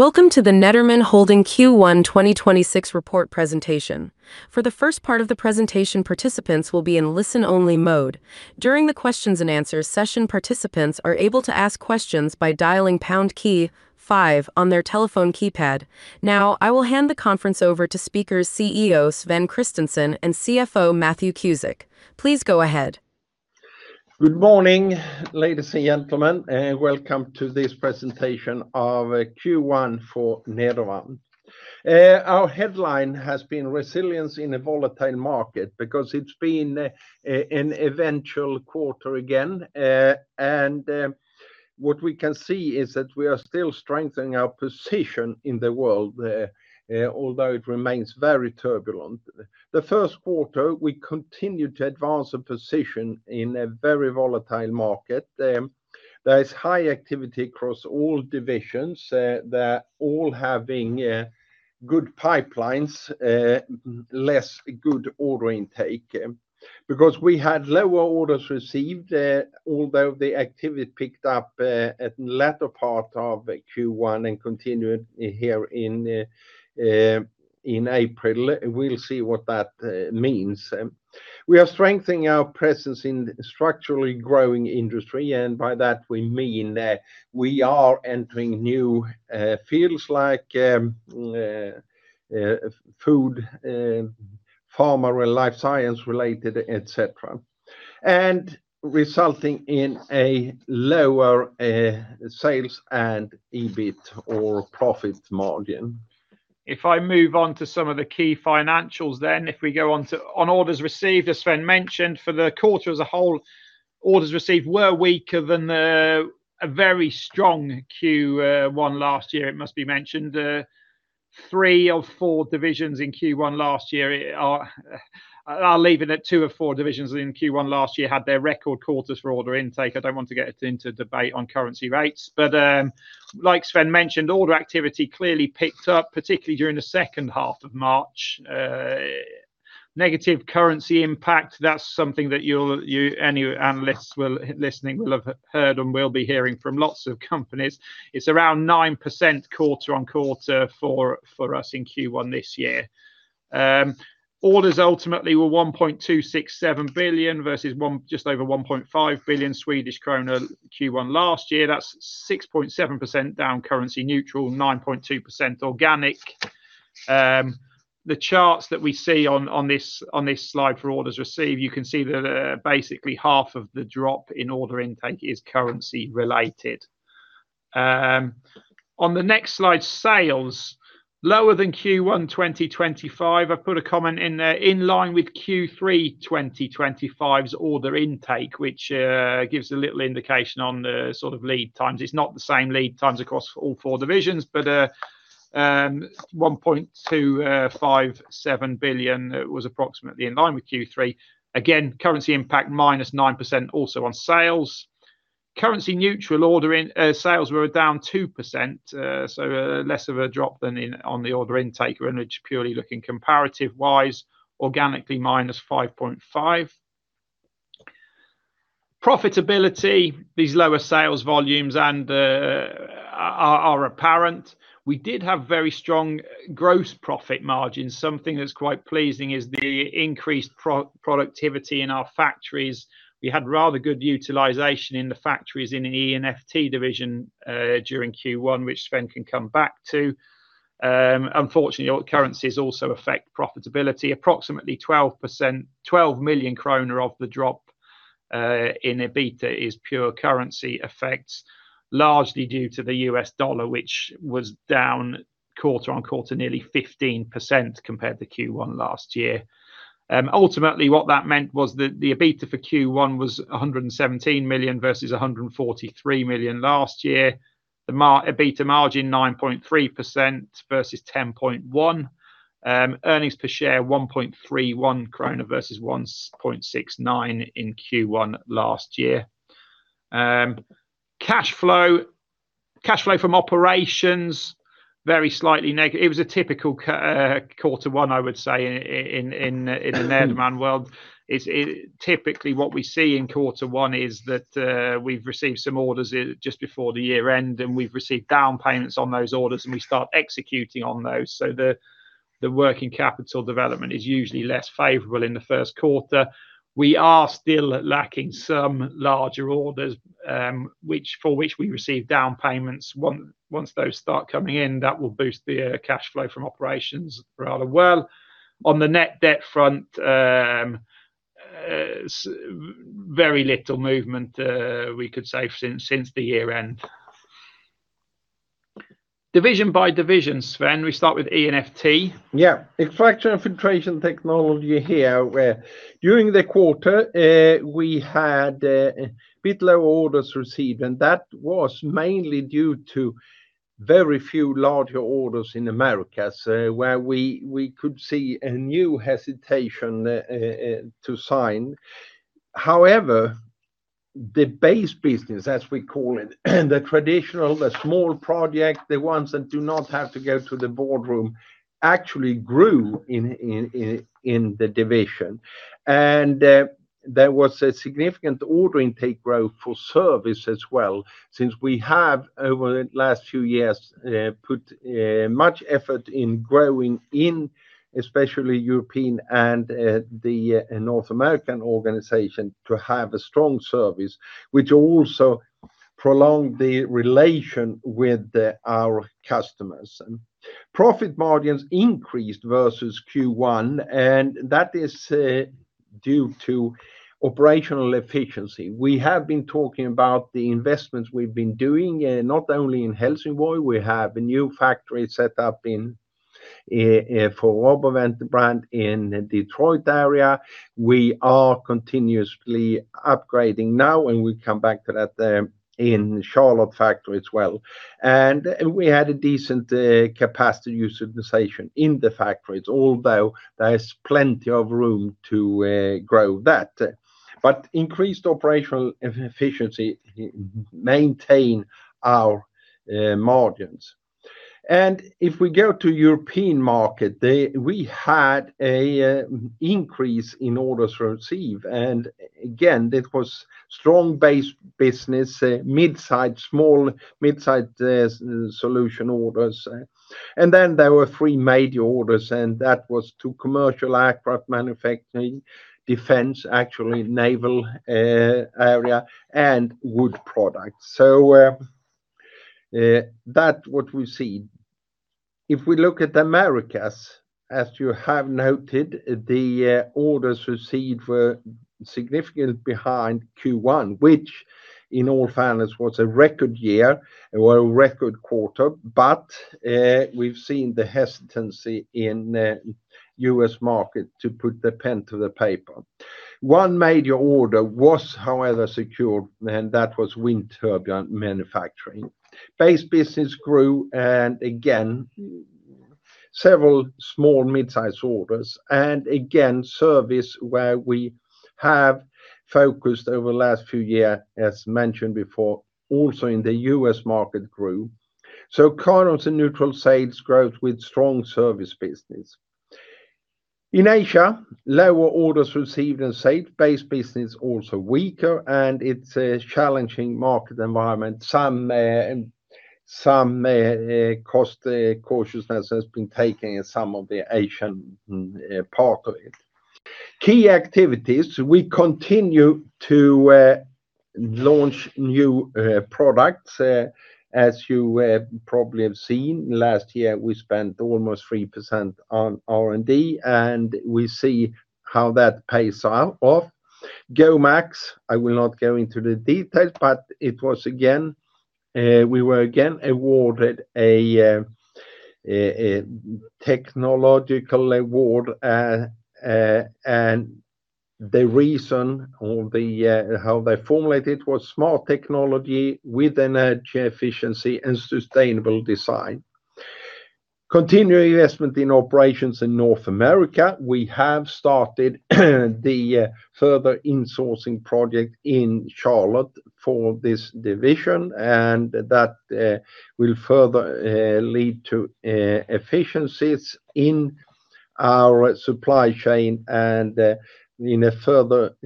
Welcome to the Nederman Holding Q1 2026 report presentation. For the first part of the presentation, participants will be in listen-only mode. During the questions-and-answers session, participants are able to ask questions by dialing pound key five on their telephone keypad. Now, I will hand the conference over to speakers, CEO Sven Kristensson and CFO Matthew Cusick. Please go ahead. Good morning, ladies and gentlemen, and welcome to this presentation of Q1 for Nederman. Our headline has been "Resilience in a Volatile Market" because it's been an eventful quarter again. What we can see is that we are still strengthening our position in the world, although it remains very turbulent. The first quarter, we continued to advance our position in a very volatile market. There is high activity across all divisions, they're all having good pipelines, less good order intake. Because we had lower orders received, although the activity picked up at the latter part of Q1 and continued here in April. We'll see what that means. We are strengthening our presence in a structurally growing industry, and by that we mean that we are entering new fields like food, pharma, and life science related, et cetera, and resulting in a lower sales and EBIT or profit margin. If I move on to some of the key financials, then if we go on to orders received, as Sven mentioned, for the quarter as a whole, orders received were weaker than a very strong Q1 last year, it must be mentioned. Three or four division in Q1 last year. I'll leave it at two of four divisions in Q1 last year had their record quarters for order intake. I don't want to get into debate on currency rates. Like Sven mentioned, order activity clearly picked up, particularly during the second half of March. Negative currency impact, that's something that any analysts listening will have heard and will be hearing from lots of companies. It's around 9% quarter-on-quarter for us in Q1 this year. Orders ultimately were 1.267 billion versus just over 1.5 billion Swedish krona Q1 last year. That's 6.7% down currency neutral, 9.2% organic. The charts that we see on this slide for orders received, you can see that basically half of the drop in order intake is currency-related. On the next slide, sales lower than Q1 2025. I've put a comment in there, in line with Q3 2025's order intake, which gives a little indication on the sort of lead times. It's not the same lead times across all four divisions, but 1.257 billion was approximately in line with Q3. Again, currency impact -9% also on sales. Currency neutral sales were down 2%, so less of a drop than on the order intake, and it's purely looking comparative-wise, organically -5.5%. Profitability. These lower sales volumes are apparent. We did have very strong gross profit margins. Something that's quite pleasing is the increased productivity in our factories. We had rather good utilization in the factories in the E&FT division during Q1, which Sven can come back to. Unfortunately, currencies also affect profitability. Approximately 12 million kronor of the drop in EBITDA is pure currency effects, largely due to the US dollar, which was down quarter-over-quarter nearly 15% compared to Q1 last year. Ultimately, what that meant was that the EBITDA for Q1 was 117 million versus 143 million last year. The EBITDA margin 9.3% versus 10.1%. Earnings per share 1.31 krona versus 1.69 in Q1 last year. Cash flow from operations very slightly negative. It was a typical quarter one, I would say in the Nederman world. Typically, what we see in quarter one is that we've received some orders just before the year-end, and we've received down payments on those orders, and we start executing on those. The working capital development is usually less favorable in the first quarter. We are still lacking some larger orders, for which we receive down payments. Once those start coming in, that will boost the cash flow from operations rather well. On the net debt front, very little movement, we could say since the year-end. Division by division, Sven, we start with E&FT. Yeah. Extraction and Filtration Technology here. During the quarter, we had a bit low orders received, and that was mainly due to very few larger orders in the Americas, where we could see a new hesitation to sign. However, the base business, as we call it, the traditional, the small project, the ones that do not have to go to the boardroom actually grew in the division. There was a significant order intake growth for service as well, since we have, over the last few years, put much effort in growing in, especially European and the North American organization to have a strong service, which also prolongs the relationship with our customers. Profit margins increased versus Q1, and that is due to operational efficiency. We have been talking about the investments we've been doing, not only in Helsingborg. We have a new factory set up for RoboVent brand in Detroit area. We are continuously upgrading now, and we come back to that in Charlotte factory as well. We had a decent capacity utilization in the factories, although there is plenty of room to grow that. Increased operational efficiency maintain our margins. If we go to European market, we had an increase in orders received, and again, that was strong base business, small, mid-size solution orders. Then there were three major orders, and that was to commercial aircraft manufacturing, defense, actually naval area, and wood products. That's what we see. If we look at the Americas, as you have noted, the orders received were significantly behind Q1, which in all fairness was a record year or a record quarter. We've seen the hesitancy in U.S. market to put the pen to the paper. One major order was, however, secured, and that was wind turbine manufacturing. Base business grew, and again, several small mid-size orders. Again, service where we have focused over the last few years, as mentioned before, also in the U.S. market grew. Currency neutral sales growth with strong service business. In Asia, lower orders received and sales. Base business also weaker, and it's a challenging market environment. Some cost cautiousness has been taken in some of the Asian part of it. Key activities, we continue to launch new products. As you probably have seen, last year we spent almost 3% on R&D, and we see how that pays off. GoMax, I will not go into the details, but we were again awarded a technological award. The reason or how they formulate it was smart technology with energy efficiency and sustainable design. Continued investment in operations in North America. We have started the further insourcing project in Charlotte for this division, and that will further lead to efficiencies in our supply chain and in a further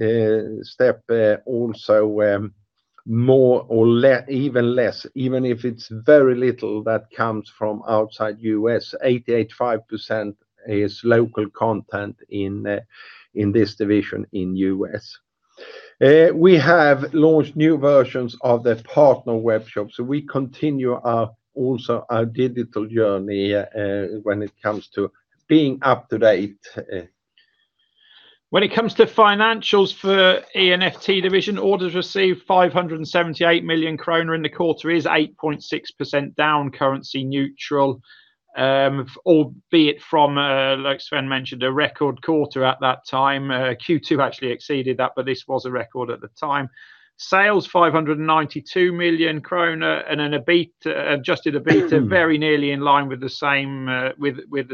step also more or even less, even if it's very little that comes from outside U.S., 88.5% is local content in this division in U.S. We have launched new versions of the partner web shop, so we continue also our digital journey when it comes to being up to date. When it comes to financials for E&FT division, orders received 578 million kronor in the quarter is 8.6% down currency neutral, albeit from, like Sven mentioned, a record quarter at that time. Q2 actually exceeded that, but this was a record at the time. Sales 592 million kronor and an adjusted EBITDA very nearly in line with the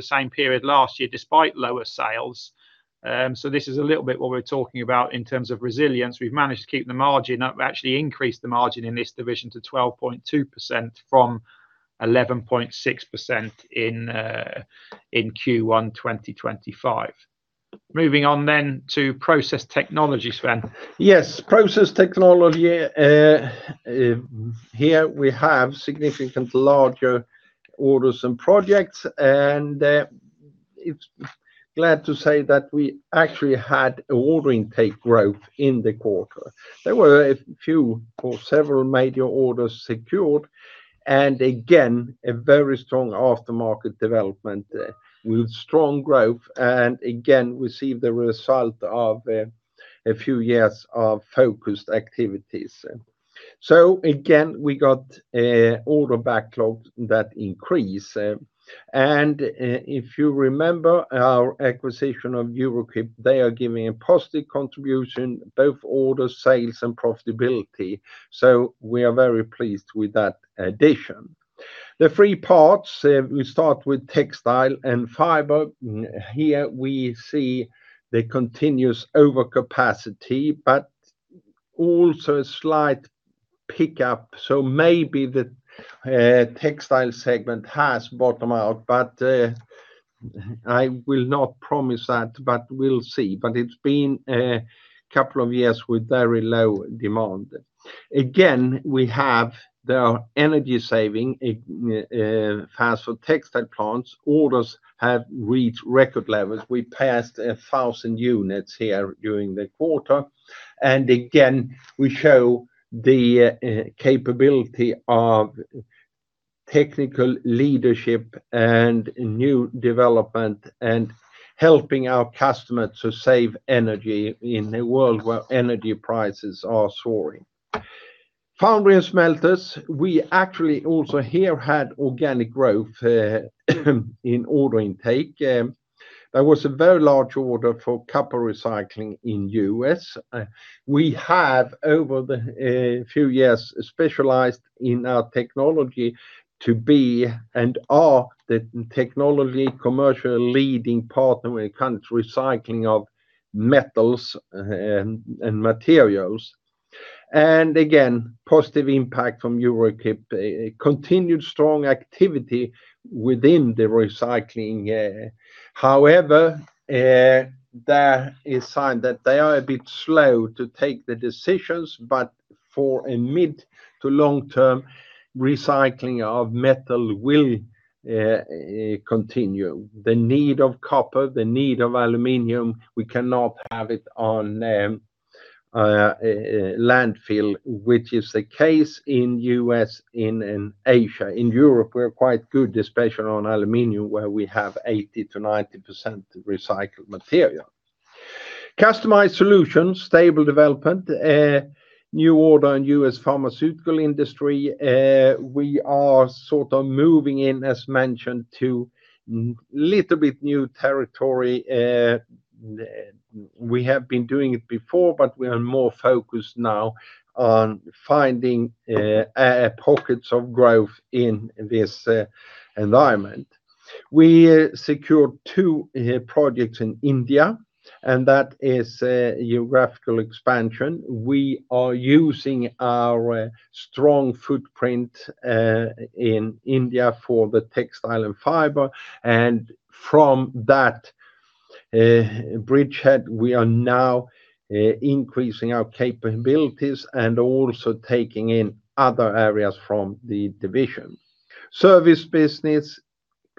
same period last year, despite lower sales. This is a little bit what we're talking about in terms of resilience. We've managed to keep the margin up, actually increased the margin in this division to 12.2% from 11.6% in Q1 2025. Moving on then to Process Technology, Sven. Yes, Process Technology. Here we have significantly larger orders and projects, and glad to say that we actually had order intake growth in the quarter. There were a few or several major orders secured and again, a very strong aftermarket development with strong growth and again, we see the result of a few years of focused activities. Again, we got order backlogs that are increasing. If you remember our acquisition of Euro-Equip, they are giving a positive contribution, both orders, sales, and profitability. We are very pleased with that addition. The three parts, we start with Textile and Fiber. Here we see the continuous overcapacity, but also a slight pickup. Maybe the Textile segment has bottomed out, but I will not promise that, but we'll see. It's been a couple of years with very low demand. Again, we have the energy-saving fans for textile plants. Orders have reached record levels. We passed 1,000 units here during the quarter. Again, we show the capability of technical leadership and new development and helping our customers to save energy in a world where energy prices are soaring. Foundry and smelters, we actually also here had organic growth in order intake. There was a very large order for copper recycling in the U.S. We have, over a few years, specialized in our technology to be and are the technology commercial leading partner when it comes to recycling of metals and materials. Again, positive impact from Euro-Equip. A continued strong activity within the recycling. However, there is sign that they are a bit slow to take the decisions, but for a mid- to long-term, recycling of metal will continue. The need of copper, the need of aluminum, we cannot have it on a landfill, which is the case in the U.S. and in Asia. In Europe, we're quite good, especially on aluminum, where we have 80%-90% recycled material. Customized Solutions. Stable development. New order in U.S. pharmaceutical industry. We are sort of moving in, as mentioned, to a little bit new territory. We have been doing it before, but we are more focused now on finding pockets of growth in this environment. We secured two projects in India, and that is a geographical expansion. We are using our strong footprint in India for the textile and fiber. From that bridgehead, we are now increasing our capabilities and also taking in other areas from the division. Service business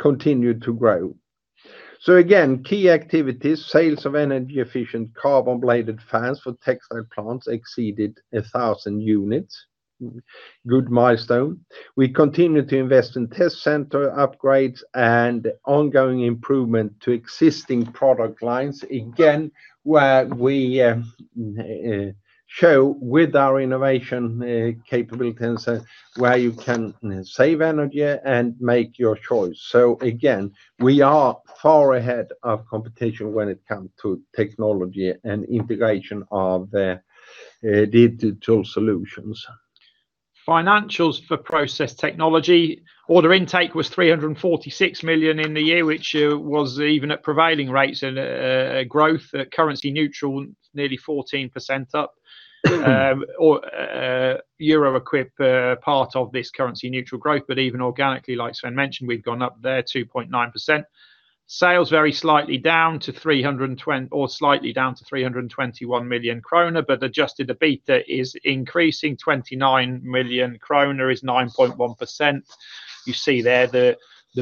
continued to grow. Again, key activities. Sales of energy-efficient carbon-bladed fans for textile plants exceeded 1,000 units. Good milestone. We continue to invest in test center upgrades and ongoing improvement to existing product lines. Again, we show with our innovation capabilities how you can save energy and make your choice. Again, we are far ahead of competition when it comes to technology and integration of the digital solutions. Financials for Process Technology. Order intake was 346 million in the year, which was even at prevailing rates and a growth currency neutral, nearly 14% up. Our Euro-Equip part of this currency neutral growth, but even organically, like Sven mentioned, we've gone up there 2.9%. Sales very slightly down to 321 million kronor, but adjusted EBITDA is increasing 29 million kronor, is 9.1%. You see there the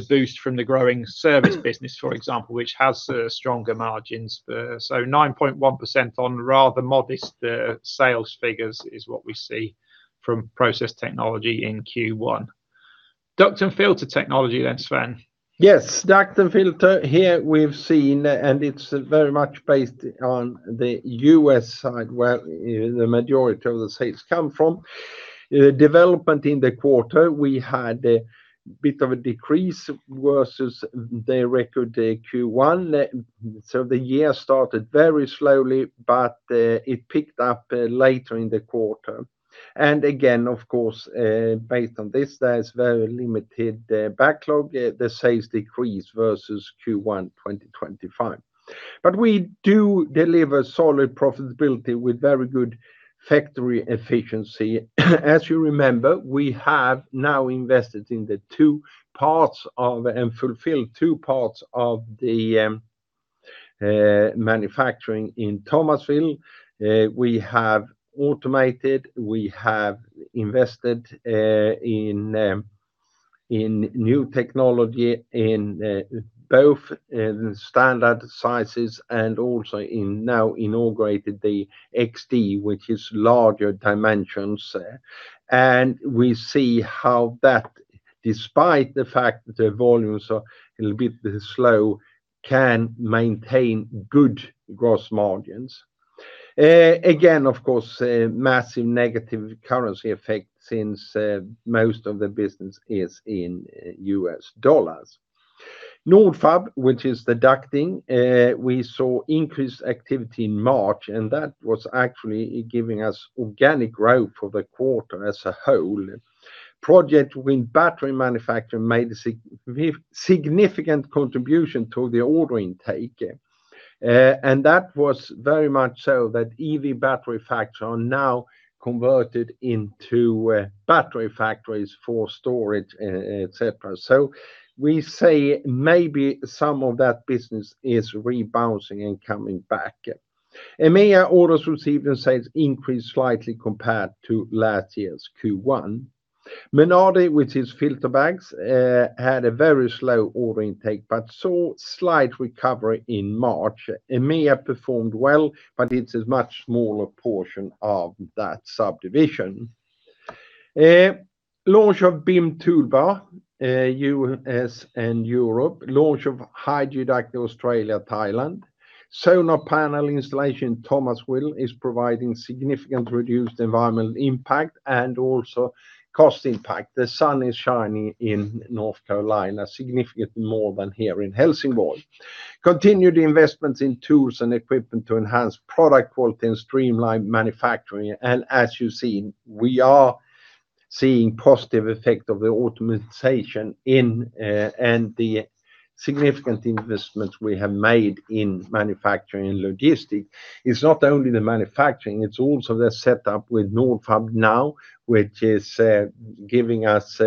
boost from the growing service business, for example, which has stronger margins. 9.1% on rather modest sales figures is what we see from Process Technology in Q1. Duct and Filter Technology, Sven. Yes. Duct and Filter, here we've seen, and it's very much based on the U.S. side, where the majority of the sales come from. Development in the quarter, we had a bit of a decrease versus the record Q1. The year started very slowly, but it picked up later in the quarter. Again, of course, based on this, there's very limited backlog. The sales decrease versus Q1 2025. We do deliver solid profitability with very good factory efficiency. As you remember, we have now invested in and fulfilled two parts of the manufacturing in Thomasville. We have automated, we have invested in new technology in both standard sizes and also now inaugurated the XD, which is larger dimensions. We see how that, despite the fact that the volumes are a little bit slow, can maintain good gross margins. Again, of course, massive negative currency effect since most of the business is in U.S. dollars. Nordfab, which is the ducting, we saw increased activity in March, and that was actually giving us organic growth for the quarter as a whole. Project wind battery manufacturing made a significant contribution to the order intake. That was very much so that EV battery factories are now converted into battery factories for storage, et cetera. We say maybe some of that business is rebounding and coming back. EMEA orders received and sales increased slightly compared to last year's Q1. Menardi, which is filter bags, had a very slow order intake, but saw slight recovery in March. EMEA performed well, but it's a much smaller portion of that subdivision. Launch of BIM objects, U.S. and Europe. Launch of HygiDuct Australia, Thailand. Solar panel installation in Thomasville is providing significant reduced environmental impact and also cost impact. The sun is shining in North Carolina significantly more than here in Helsingborg. Continued investments in tools and equipment to enhance product quality and streamline manufacturing. As you see, we are seeing positive effect of the automation and the significant investments we have made in manufacturing and logistics. It's not only the manufacturing, it's also the setup with Nordfab now, which is giving us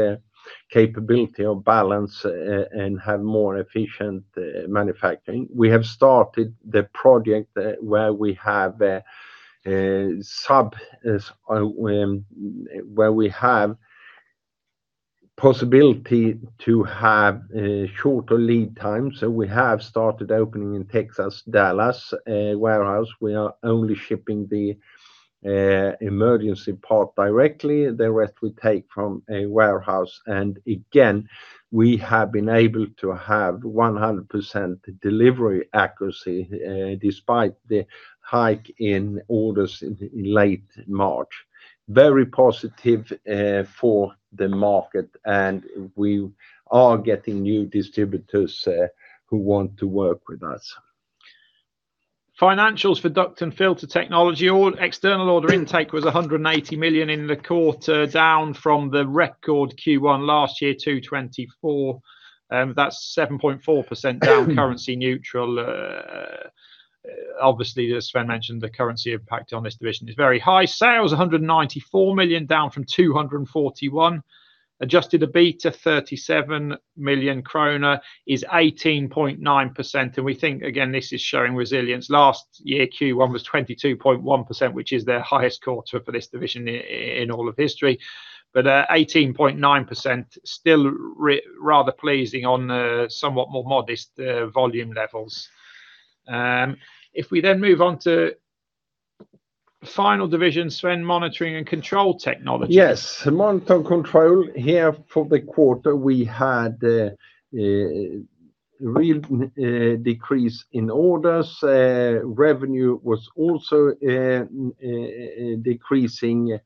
capability of balance and have more efficient manufacturing. We have started the project where we have possibility to have shorter lead time. We have started opening in Texas, Dallas warehouse. We are only shipping the emergency part directly. The rest we take from a warehouse. Again, we have been able to have 100% delivery accuracy despite the hike in orders in late March. Very positive for the market and we are getting new distributors who want to work with us. Financials for Duct & Filter Technology. External order intake was 180 million in the quarter, down from the record Q1 last year, 224 million. That's 7.4% down currency neutral. Obviously, as Sven mentioned, the currency impact on this division is very high. Sales, 194 million, down from 241 million. Adjusted EBITDA 37 million kronor is 18.9%, and we think again this is showing resilience. Last year Q1 was 22.1%, which is their highest quarter for this division in all of history, but 18.9% still rather pleasing on somewhat more modest volume levels. If we then move on to final division, Sven, Monitoring & Control Technology. Yes, Monitoring & Control here for the quarter, we had a real decrease in orders. Revenue was also decreasing,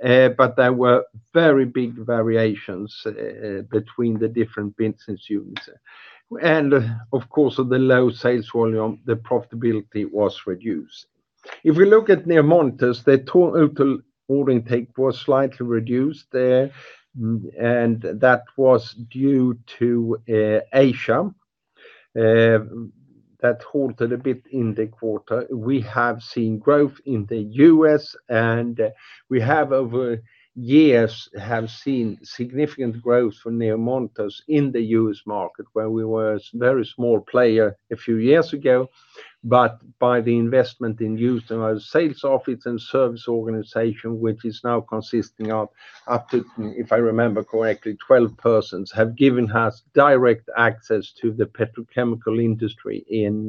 but there were very big variations between the different business units. Of course, the low sales volume, the profitability was reduced. If we look at NEO Monitors, the total order intake was slightly reduced there, and that was due to Asia. That halted a bit in the quarter. We have seen growth in the U.S., and we have over years seen significant growth for NEO Monitors in the U.S. market, where we were a very small player a few years ago. By the investment in the U.S. and our sales office and service organization, which is now consisting of up to, if I remember correctly, 12 persons, have given us direct access to the petrochemical industry in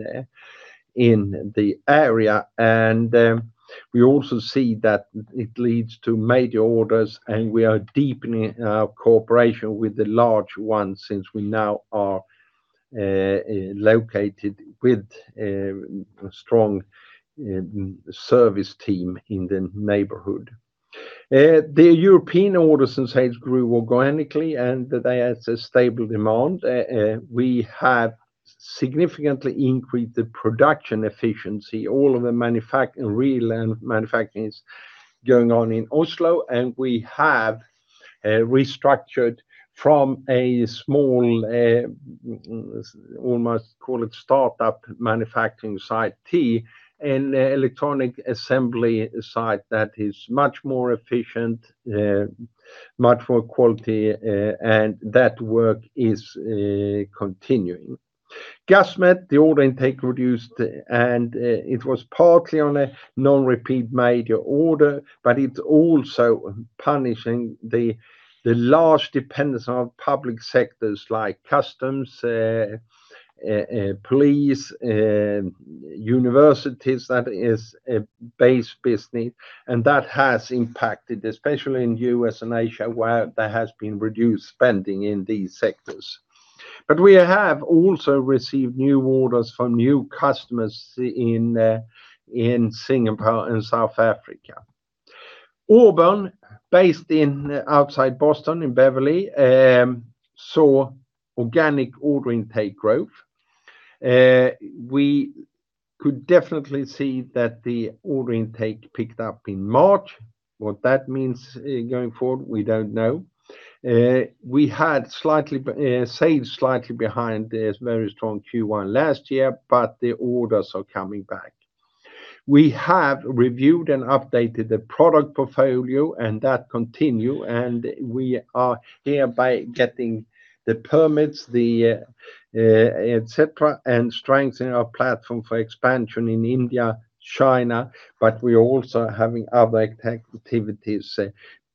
the area. We also see that it leads to major orders, and we are deepening our cooperation with the large ones since we now are located with a strong service team in the neighborhood. The European orders and sales grew organically, and they had a stable demand. We have significantly increased the production efficiency. All of the real manufacturing is going on in Oslo, and we have restructured from a small, almost call it startup manufacturing site to an electronic assembly site that is much more efficient, much more quality, and that work is continuing. Gasmet, the order intake reduced, and it was partly on a non-repeat major order, but it's also punishing the large dependence on public sectors like customs, police, universities, that is a base business, and that has impacted, especially in U.S. and Asia, where there has been reduced spending in these sectors. We have also received new orders from new customers in Singapore and South Africa. Auburn, based outside Boston in Beverly, saw organic order intake growth. We could definitely see that the order intake picked up in March. What that means going forward, we don't know. We had sales slightly behind this very strong Q1 last year, but the orders are coming back. We have reviewed and updated the product portfolio, and that continue, and we are hereby getting the permits, et cetera, and strengthening our platform for expansion in India, China. We are also having other activities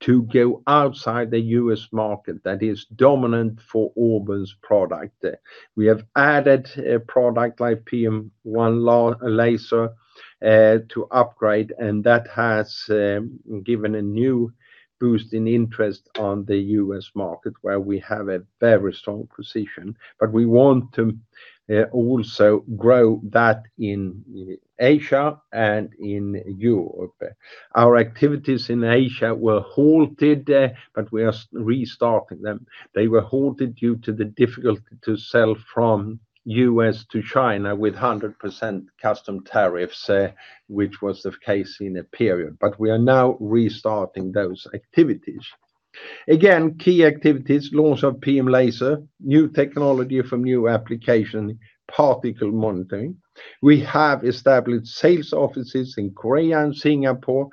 to go outside the U.S. market that is dominant for Auburn's product. We have added a product like PM1 Laser to upgrade, and that has given a new boost in interest on the U.S. market where we have a very strong position. We want to also grow that in Asia and in Europe. Our activities in Asia were halted, but we are restarting them. They were halted due to the difficulty to sell from U.S. to China with 100% customs tariffs, which was the case in a period. We are now restarting those activities. Again, key activities, launch of PM Laser, new technology for new application, particle monitoring. We have established sales offices in Korea and Singapore.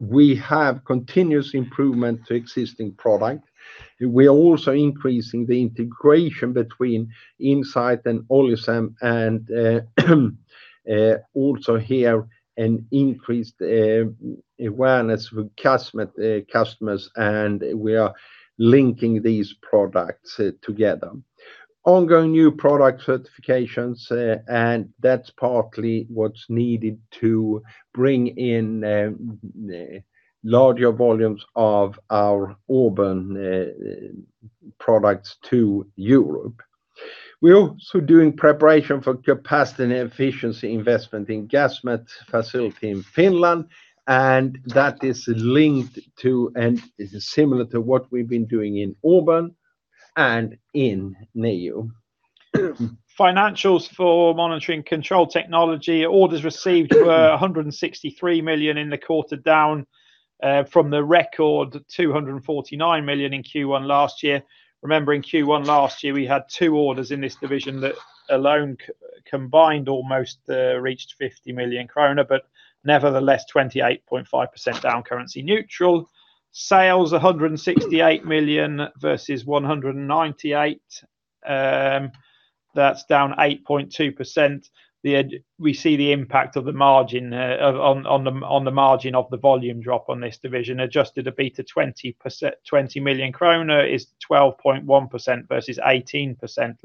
We have continuous improvement to existing product. We are also increasing the integration between Insight and Olicem and also here an increased awareness with customers, and we are linking these products together. Ongoing new product certifications, and that's partly what's needed to bring in larger volumes of our Auburn products to Europe. We're also doing preparation for capacity and efficiency investment in Gasmet facility in Finland, and that is linked to and is similar to what we've been doing in Auburn and in NEO. Financials for Monitoring & Control Technology orders received were 163 million in the quarter, down from the record 249 million in Q1 last year. Remembering Q1 last year, we had two orders in this division that alone combined almost reached 50 million kronor, but nevertheless, 28.5% down currency neutral. Sales 168 million versus 198 million. That's down 8.2%. We see the impact on the margin of the volume drop on this division. Adjusted EBITDA SEK 20 million is 12.1% versus 18%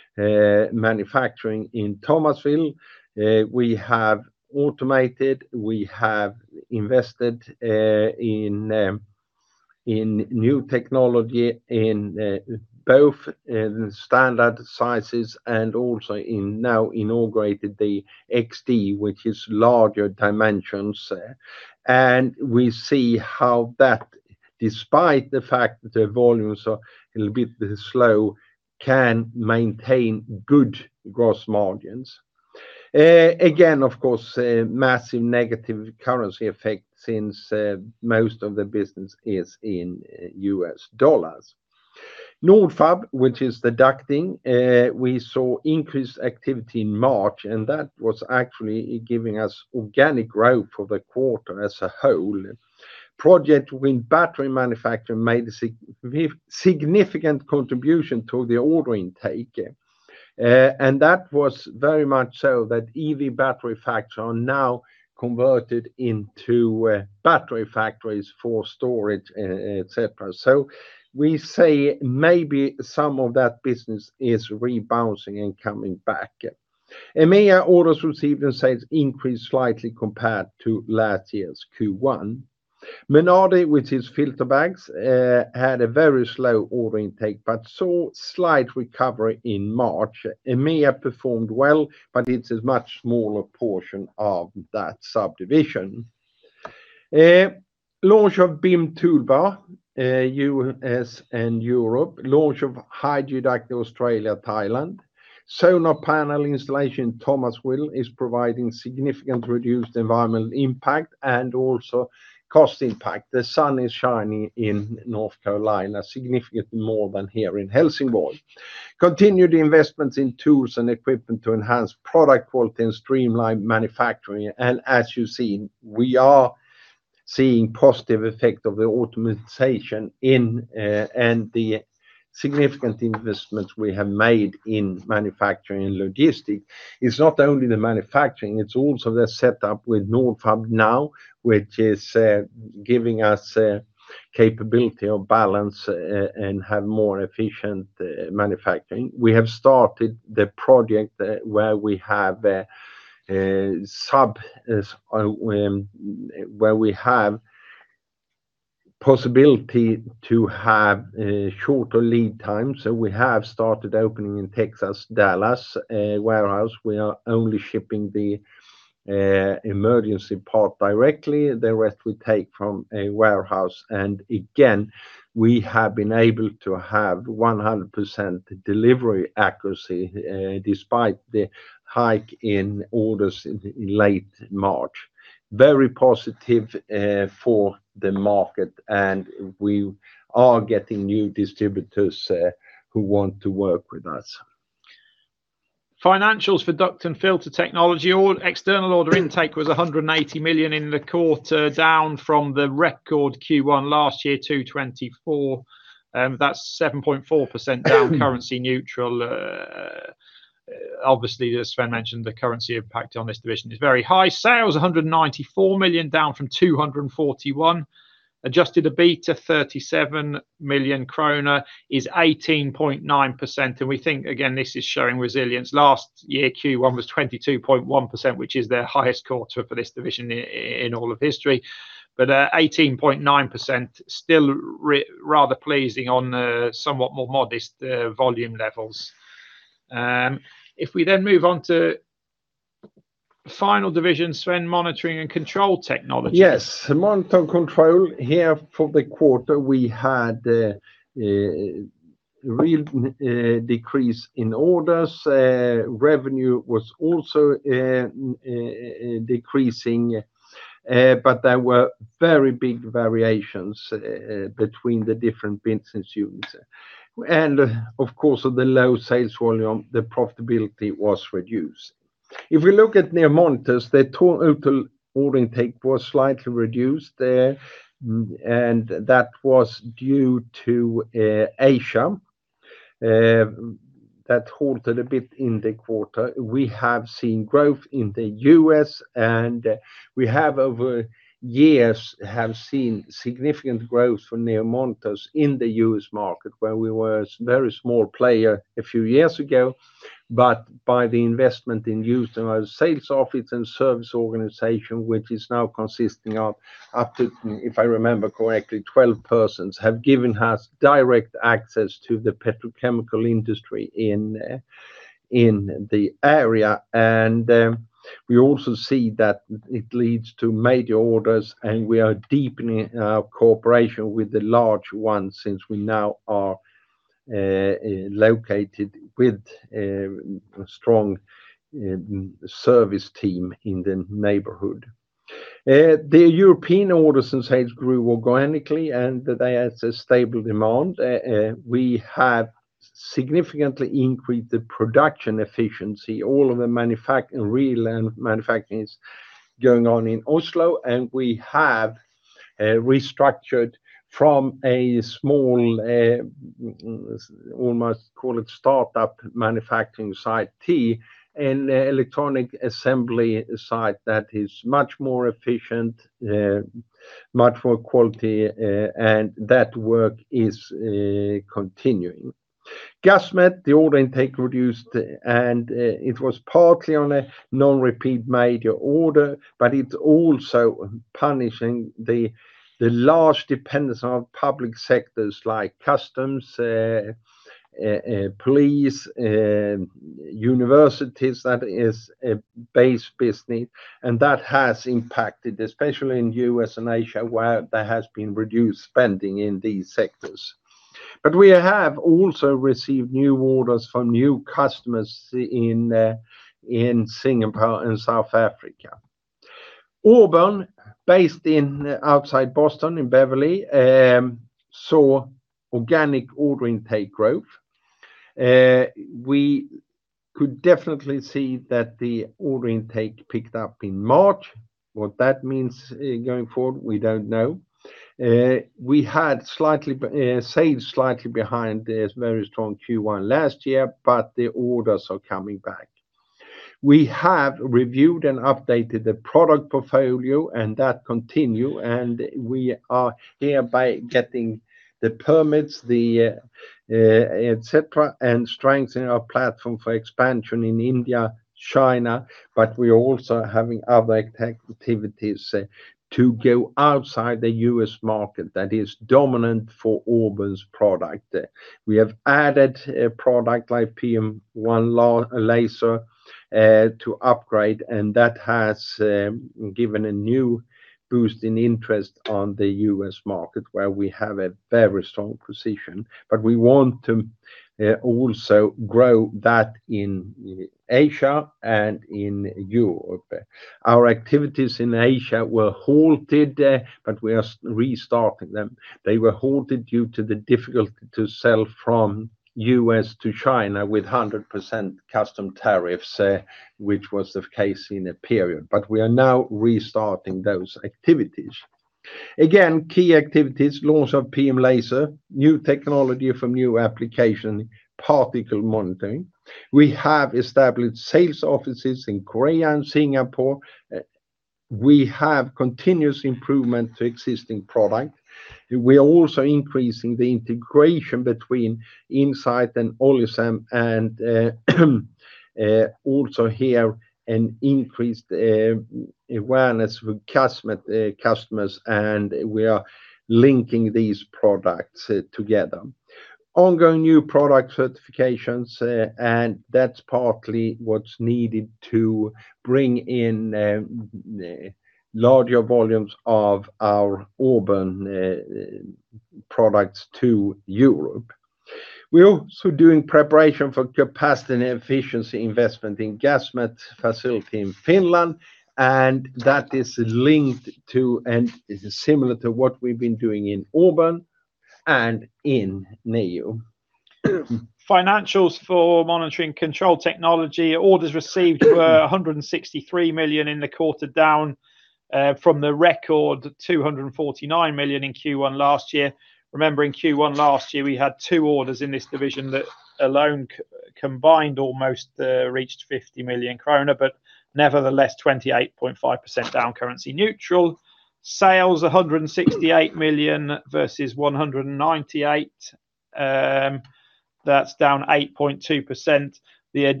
last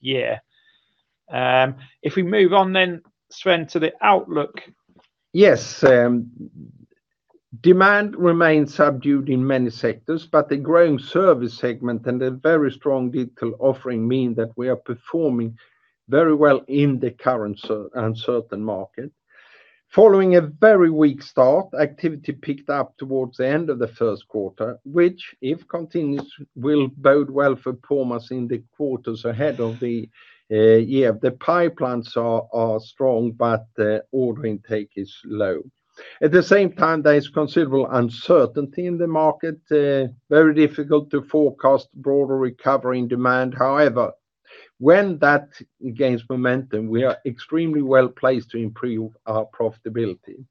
year. If we move on then, Sven, to the outlook. Yes. Demand remains subdued in many sectors, but the growing service segment and the very strong digital offering mean that we are performing very well in the current uncertain market. Following a very weak start, activity picked up towards the end of the first quarter, which, if continuous, will bode well for performance in the quarters ahead of the year. The pipelines are strong, but the order intake is low. At the same time, there is considerable uncertainty in the market. Very difficult to forecast broader recovery in demand. However, when that gains momentum, we are extremely well-placed to improve our profitability.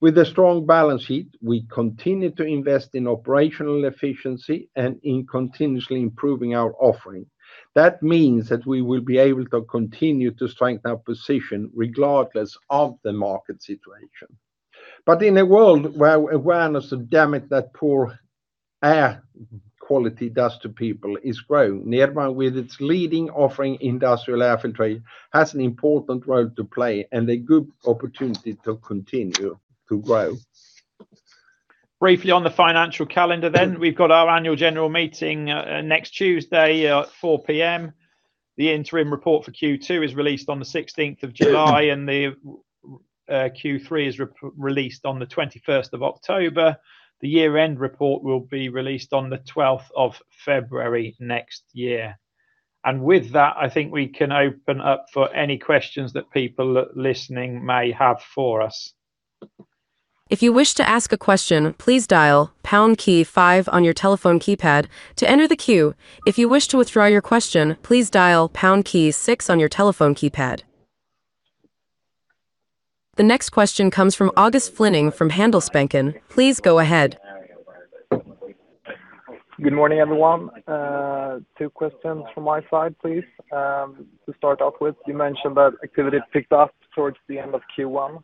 With a strong balance sheet, we continue to invest in operational efficiency and in continuously improving our offering. That means that we will be able to continue to strengthen our position regardless of the market situation. In a world where awareness of damage that poor air quality does to people is growing, Nederman, with its leading offering industrial air filtration, has an important role to play and a good opportunity to continue to grow. Briefly on the financial calendar then, we've got our Annual General Meeting next Tuesday at 4:00 P.M. The interim report for Q2 is released on the 16th of July, and the Q3 is released on the 21st of October. The year-end report will be released on the 12th of February next year. With that, I think we can open up for any questions that people listening may have for us. If you wish to ask a question please dial pound key five on your telephone keypad to enter the queue. If you wish to withdraw your question please dial pound key six on your telephone keypad. The next question comes from August Flinning from Handelsbanken. Please go ahead. Good morning, everyone. Two questions from my side, please. To start off with, you mentioned that activity picked up towards the end of Q1.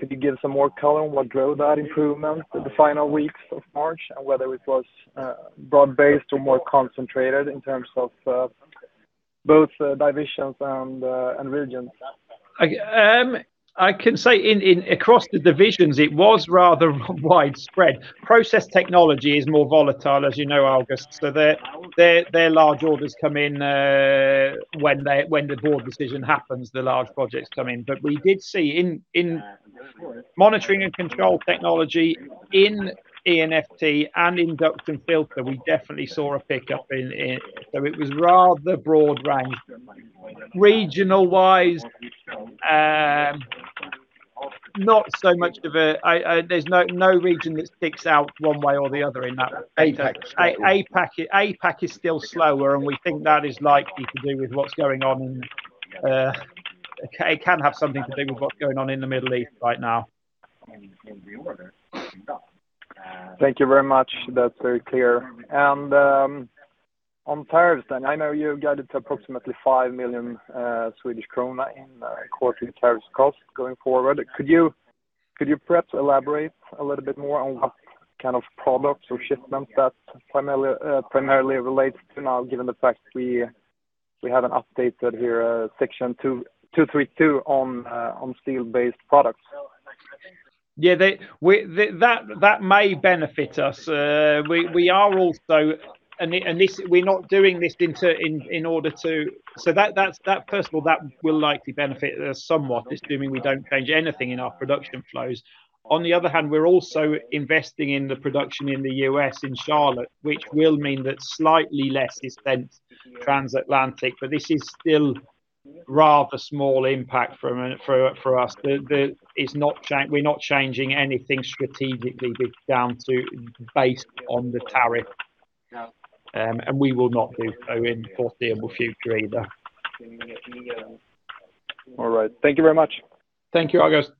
Could you give some more color on what drove that improvement the final weeks of March and whether it was broad-based or more concentrated in terms of both divisions and regions? I can say across the divisions, it was rather widespread. Process Technology is more volatile, as you know, August, so their large orders come in when the Board decision happens, the large projects come in. We did see in Monitoring & Control Technology in E&FT and Duct and Filter, we definitely saw a pickup in it, so it was rather broad range. Regional wise, not so much of a. There's no region that sticks out one way or the other in that. APAC [is slower]. APAC is still slower, and we think that is likely to do with what's going on. It can have something to do with what's going on in the Middle East right now. Thank you very much. That's very clear. On tariffs then, I know you have guided to approximately 5 million Swedish krona in quarterly tariffs cost going forward. Could you perhaps elaborate a little bit more on what kind of products or shipments that primarily relates to now, given the fact we have an updated here, Section 232 on steel-based products? Yeah. That may benefit us. We're not doing this. That first of all, that will likely benefit us somewhat, assuming we don't change anything in our production flows. On the other hand, we're also investing in the production in the U.S. in Charlotte, which will mean that slightly less is spent transatlantic, but this is still rather small impact for us. We're not changing anything strategically based on the tariff. Yeah. We will not do so in foreseeable future either. All right. Thank you very much. Thank you, August.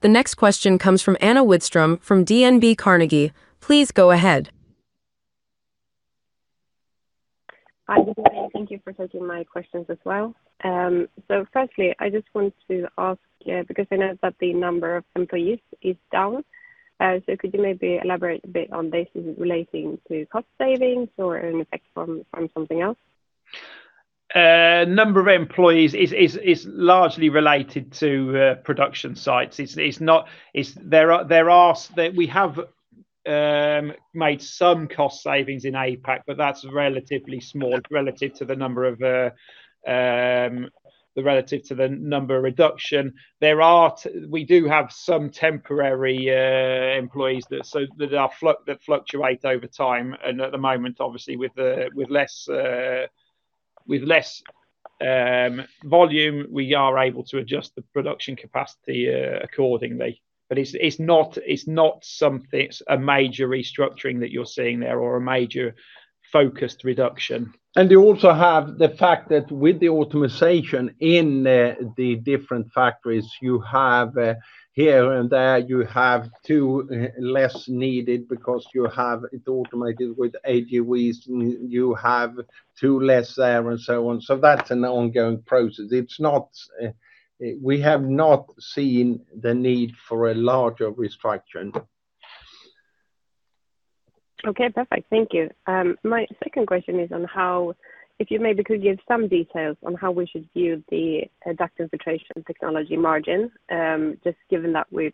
The next question comes from Anna Widström from DNB Carnegie. Please go ahead. Hi, good morning. Thank you for taking my questions as well. Firstly, I just want to ask, because I know that the number of employees is down. Could you maybe elaborate a bit on this? Is it relating to cost savings or an effect from something else? Number of employees is largely related to production sites. We have made some cost savings in APAC, but that's relatively small relative to the number of reduction. We do have some temporary employees that fluctuate over time and at the moment, obviously, with less volume, we are able to adjust the production capacity accordingly. It's not a major restructuring that you're seeing there or a major focused reduction. You also have the fact that with the automation in the different factories you have here and there, you have two less needed because you have it automated with AGVs, and you have two less there and so on. That's an ongoing process. We have not seen the need for a larger restructuring. Okay, perfect. Thank you. My second question is on how, if you maybe could give some details on how we should view the Duct and Filtration Technology margin, just given that we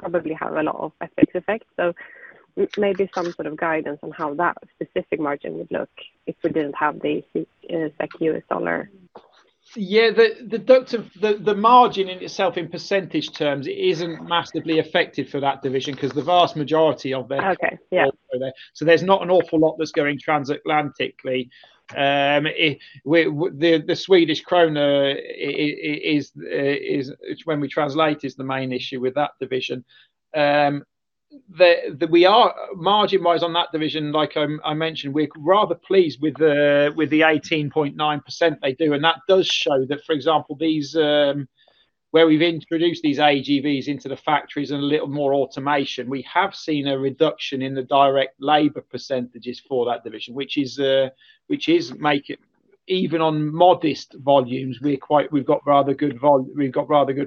probably have a lot of FX effects. Maybe some sort of guidance on how that specific margin would look if we didn't have the weaker dollar. Yeah. The margin in itself in percentage terms isn't massively affected for that division because the vast majority of it. Okay. Yeah. are there. There's not an awful lot that's going transatlantically. The Swedish krona when we translate is the main issue with that division. Margin-wise on that division, like I mentioned, we're rather pleased with the 18.9% they do. That does show that, for example, where we've introduced these AGVs into the factories and a little more automation, we have seen a reduction in the direct labor percentages for that division, which is making, even on modest volumes, we've got rather good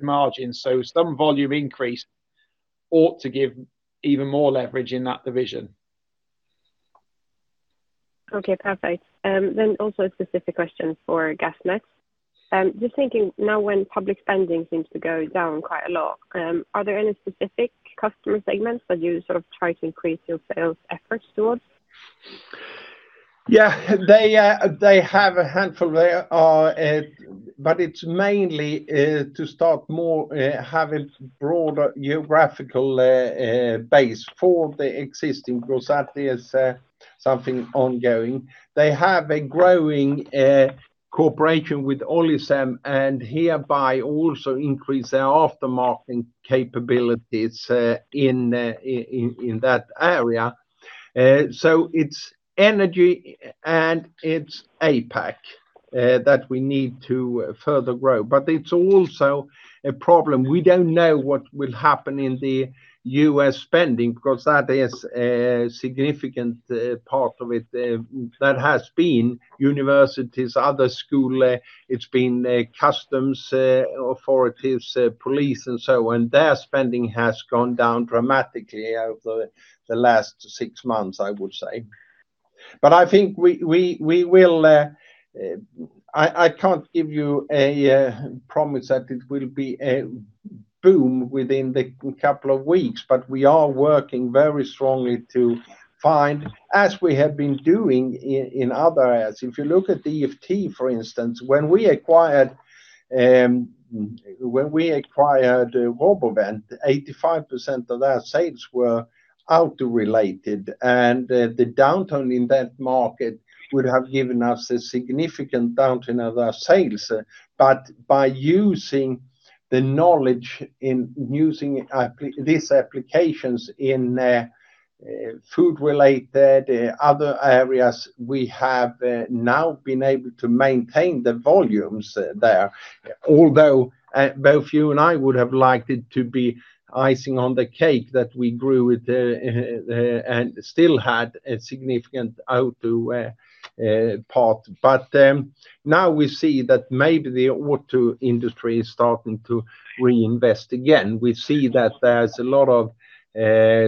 margins. Some volume increase ought to give even more leverage in that division. Okay, perfect. Also a specific question for Gasmet. Just thinking now when public spending seems to go down quite a lot, are there any specific customer segments that you sort of try to increase your sales efforts towards? Yeah. They have a handful there. It's mainly to start more, have a broader geographical base for the existing because that is something ongoing. They have a growing cooperation with Olicem and hereby also increase their aftermarket capabilities in that area. It's energy and it's APAC, that we need to further grow. It's also a problem. We don't know what will happen in the U.S. spending because that is a significant part of it that has been universities, other schools, it's been customs, authorities, police and so on. Their spending has gone down dramatically over the last six months, I would say. I think I can't give you a promise that it will be a boom within the couple of weeks. We are working very strongly to find, as we have been doing in other areas. If you look at the E&FT, for instance, when we acquired RoboVent, 85% of their sales were auto-related, and the downturn in that market would have given us a significant downturn of their sales. By using the knowledge in using these applications in food-related, other areas, we have now been able to maintain the volumes there. Although, both you and I would have liked it to be icing on the cake that we grew and still had a significant auto part. Now we see that maybe the auto industry is starting to reinvest again. We see that there's a lot of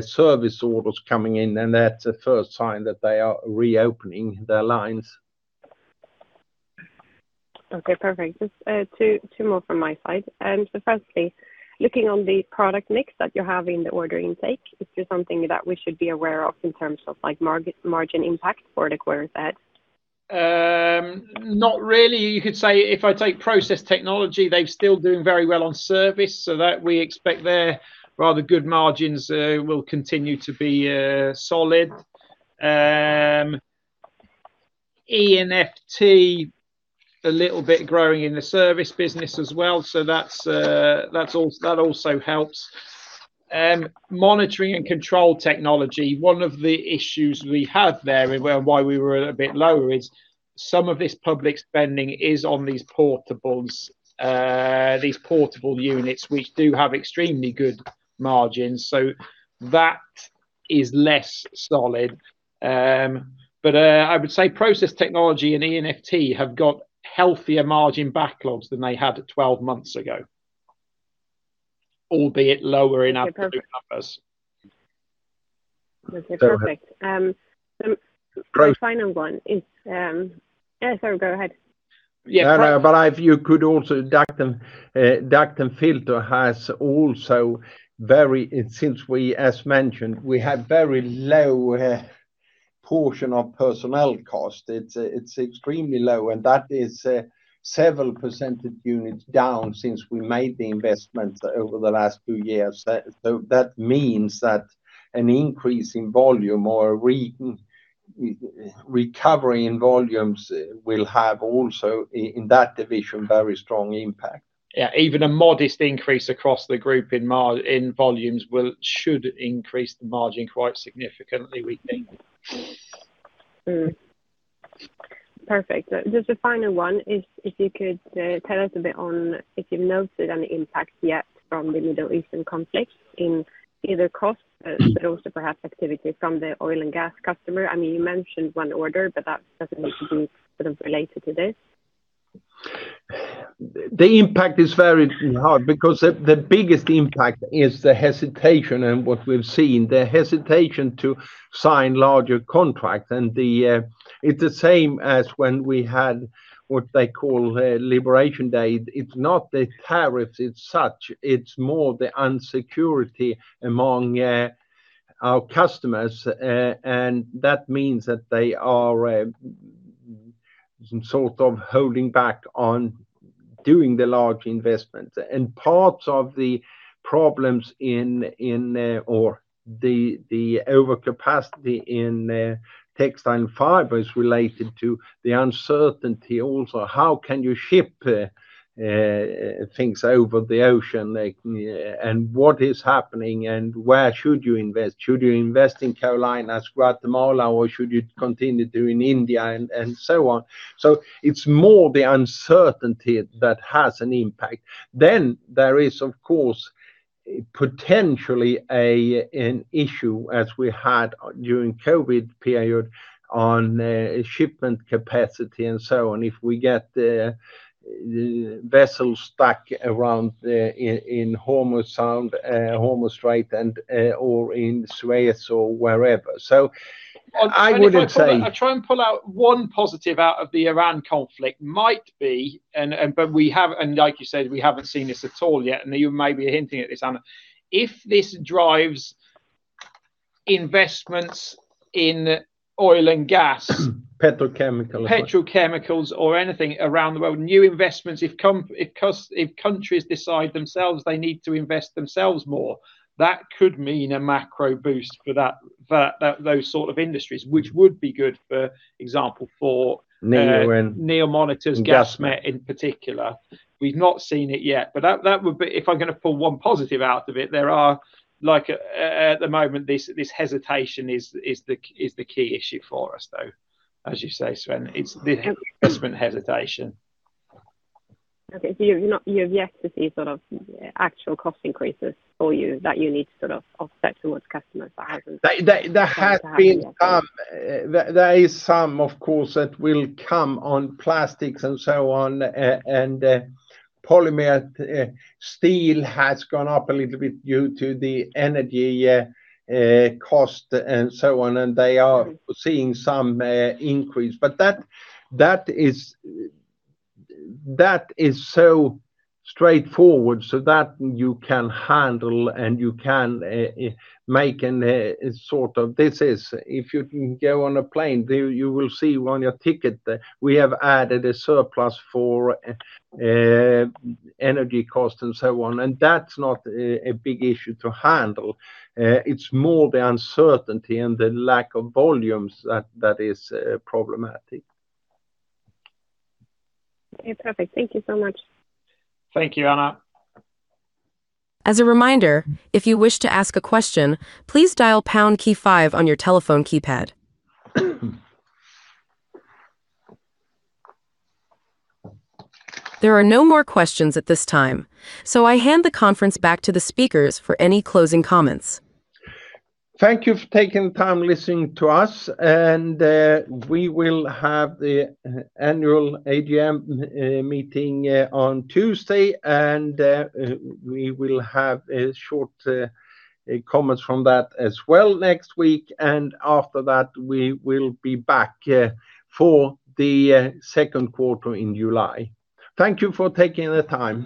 service orders coming in, and that's the first sign that they are reopening their lines. Okay, perfect. Just two more from my side. Firstly, looking at the product mix that you have in the order intake, is there something that we should be aware of in terms of margin impact for the quarter, Sven? Not really. You could say if I take Process Technology, they're still doing very well on service, so that we expect their rather good margins will continue to be solid. E&FT, a little bit growing in the service business as well, so that also helps. Monitoring & Control Technology, one of the issues we have there and why we were a bit lower is some of this public spending is on these portable units, which do have extremely good margins. So that is less solid. But I would say Process Technology and E&FT have got healthier margin backlogs than they had 12 months ago, albeit lower in absolute numbers. Okay, perfect. Go ahead. Sorry, go ahead. Duct and Filter has also very, since we, as mentioned, we had very low portion of personnel cost. It's extremely low, and that is several percentage points down since we made the investments over the last two years. That means that an increase in volume or a recovery in volumes will have also, in that division, very strong impact. Yeah. Even a modest increase across the group in volumes should increase the margin quite significantly, we think. Perfect. Just the final one is if you could tell us a bit on if you've noted any impact yet from the Middle Eastern conflict in either cost, but also perhaps activity from the oil and gas customer. You mentioned one order, but that doesn't need to be related to this. The impact is very hard because the biggest impact is the hesitation, and what we've seen, the hesitation to sign larger contracts, and it's the same as when we had what they call Liberation Day. It's not the tariffs as such, it's more the insecurity among our customers. That means that they are sort of holding back on doing the large investments. Parts of the problems in the overcapacity in textile and fiber is related to the uncertainty also. How can you ship things over the ocean, and what is happening and where should you invest? Should you invest in Carolinas, Guatemala, or should you continue to in India and so on. It's more the uncertainty that has an impact. There is, of course, potentially an issue as we had during COVID period on shipment capacity and so on. If we get the vessels stuck around in Hormuz Sound, Hormuz Strait, or in Suez or wherever. I wouldn't say- If I try and pull out one positive out of the Iran conflict, it might be, and like you said, we haven't seen this at all yet, and you may be hinting at this, Anna. If this drives investments in oil and gas- petrochemical petrochemicals or anything around the world, new investments, if countries decide themselves they need to invest themselves more, that could mean a macro boost for those sort of industries, which would be good, for example, for NEO and NEO Monitors Gasmet in particular. We've not seen it yet, but that would be, if I'm going to pull one positive out of it, there are, at the moment, this hesitation is the key issue for us, though. As you say, Sven, it's the investment hesitation. Okay. You have yet to see sort of actual cost increases for you that you need to sort of offset toward customers that hasn't- There have been some. There is some, of course, that will come on plastics and so on, and polymer steel has gone up a little bit due to the energy cost and so on, and they are seeing some increase. That is so straightforward so that you can handle and you can make. If you go on a plane, you will see on your ticket that we have added a surplus for energy cost and so on. That's not a big issue to handle. It's more the uncertainty and the lack of volumes that is problematic. Okay, perfect. Thank you so much. Thank you, Anna. As a reminder, if you wish to ask a question, please dial pound key five on your telephone keypad. There are no more questions at this time. I hand the conference back to the speakers for any closing comments. Thank you for taking the time to listen to us. We will have the annual AGM meeting on Tuesday, and we will have short comments from that as well next week. After that, we will be back for the second quarter in July. Thank you for taking the time.